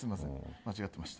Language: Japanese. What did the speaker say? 間違ってました。